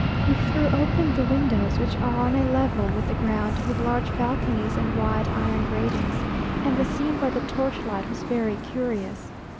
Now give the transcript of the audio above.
We threw open the windows, which are on a level with the ground, with large balconies and wide iron gratings, and the scene by the torch light was very curious.